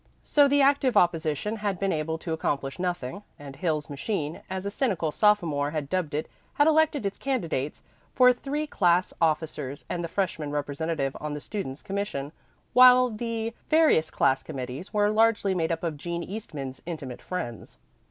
So the active opposition had been able to accomplish nothing, and Hill's machine, as a cynical sophomore had dubbed it, had elected its candidates for three class officers and the freshman representative on the Students' Commission, while the various class committees were largely made up of Jean Eastman's intimate friends.